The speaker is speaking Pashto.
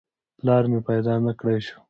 پلار مې پیدا نه کړای شو.